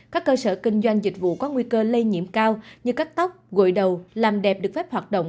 các cơ sở kinh doanh dịch vụ có nguy cơ lây nhiễm cao như cắt tóc gội đầu làm đẹp được phép hoạt động